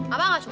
abah gak suka